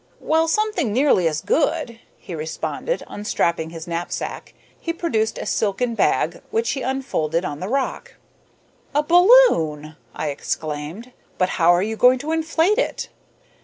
"Well, something nearly as good," he responded, unstrapping his knapsack. He produced a silken bag, which he unfolded on the rock. "A balloon!" I exclaimed. "But how are you going to inflate it?"